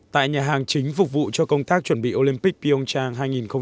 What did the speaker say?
tại nhà hàng chính phục vụ cho công tác chuẩn bị olympic pyeongchang hai nghìn một mươi tám